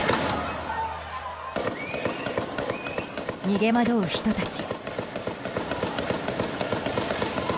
逃げ惑う人たち。